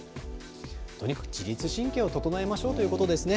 とにかく自律神経を整えましょうということですね。